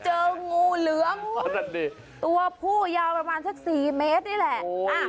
เจองูเหลือมตัวผู้ยาวประมาณสัก๔เมตรนี่แหละ